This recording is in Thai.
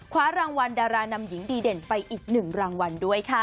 คว้ารางวัลดารานำหญิงดีเด่นไปอีก๑รางวัลด้วยค่ะ